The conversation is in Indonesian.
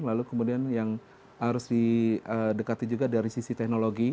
lalu kemudian yang harus didekati juga dari sisi teknologi